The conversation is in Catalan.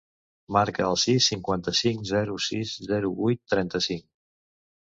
Marca el sis, cinquanta-cinc, zero, sis, zero, vuit, trenta-cinc.